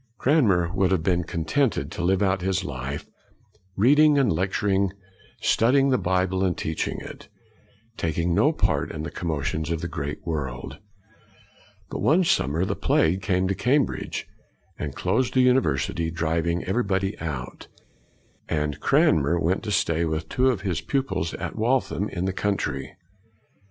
Cranmer would have been contented to live out all his life, reading and lecturing, studying the Bible and teaching it, taking no part in the commotions of the great world. But, one summer, the plague came to Cambridge, and closed the university, driving everybody out; and Cranmer went to stay with two of his pupils at Waltham, in the country.